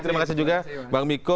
terima kasih juga bang miko